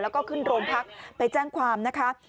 แล้วก็ขึ้นโรงพักไปแจ้งความนะคะ